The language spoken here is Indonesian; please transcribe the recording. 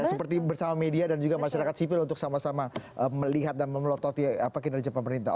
seperti bersama media dan juga masyarakat sipil untuk sama sama melihat dan memelototi kinerja pemerintah